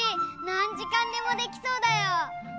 なんじかんでもできそうだよ。